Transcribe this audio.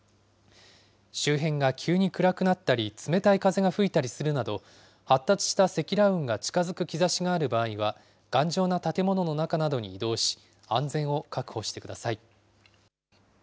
周辺が急に暗くなったり、冷たい風が吹いたりするなど、発達した積乱雲が近づく兆しがある場合は、頑丈な建物の中などに移動し、安全を確保してください。